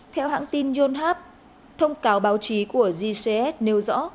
theo hãng tin yonhap thông cáo báo chí của gcs nêu rõ